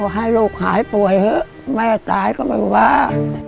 ให้ลูกหายป่วยเถอะแม่ตายก็ไม่ว่า